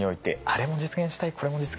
これも実現したい。